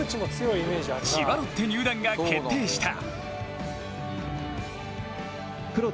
千葉ロッテ入団が決定した。